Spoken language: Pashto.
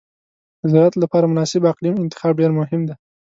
د زراعت لپاره مناسب اقلیم انتخاب ډېر مهم دی.